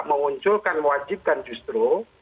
mengunculkan mewajibkan justru